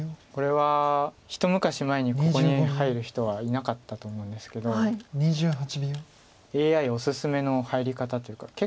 これは一昔前にここに入る人はいなかったと思うんですけどＡＩおすすめの入り方というか。